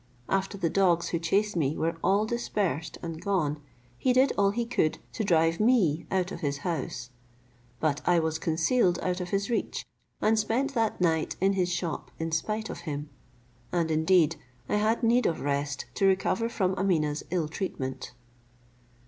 After the dogs who chased me were all dispersed and gone, he did all he could to drive me out of his house, but I was concealed out of his reach, and spent that night in his shop in spite of him; and indeed I had need of rest to recover from Ameeneh's ill treatment.